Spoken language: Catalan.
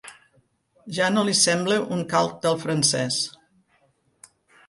Ja no li sembla un calc del francès.